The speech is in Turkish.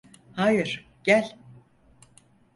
Hayır, gel.